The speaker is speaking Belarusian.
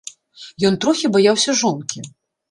Ён трохі баяўся жонкі.